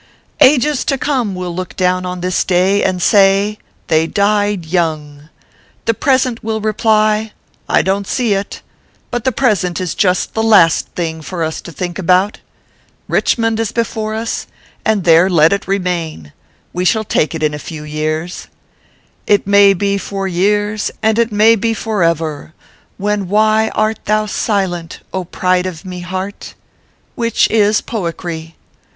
" Ages to come will look down on this day and say : i They died young/ The Present will reply : c I don t see it ; but the present is just the last thing for us to think about. Kichmond is before us, and there let it remain. We shall take it in a few years :" 1C may be for years and it may be for ever, Then why art thou silent, pride of mo heart. which is poickry.